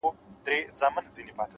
لوړ لید د راتلونکي جوړښت دی’